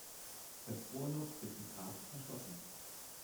Das Bohrloch wird mit Harz verschlossen.